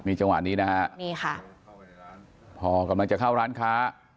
มีจังหวะนี้นะฮะพอกำลังจะเข้าร้านค้า